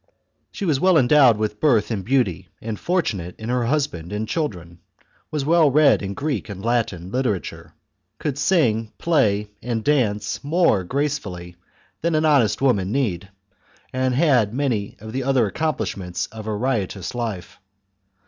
She was well endowed with birth and beauty and fortunate in her husband and children ; was well xx\ 22 THE CONSPIRACY OF CATILINE. CHAP, read in Greek and Latin literature, could sing, play, and dance more gracefully than an honest woman need, and had many of the other accomplishments of a riotous life.